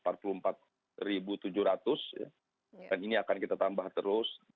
dan ini akan kita tambah terus